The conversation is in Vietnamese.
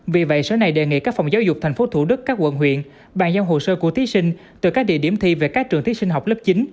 vì vậy sở này đề nghị các phòng giáo dục tp thủ đức các quận huyện bàn giao hồ sơ của thí sinh từ các địa điểm thi về các trường thí sinh học lớp chín